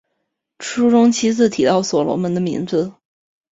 书中七次提到所罗门的名字。